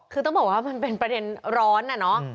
คือต้องบอกว่ามันเป็นประเด็นร้อนน่ะเนอะ